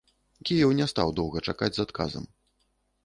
Кіеў не стаў доўга чакаць з адказам.